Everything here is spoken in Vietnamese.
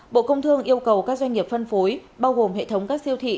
bộ công thương yêu cầu các doanh nghiệp phân phối bao gồm hệ thống các siêu thị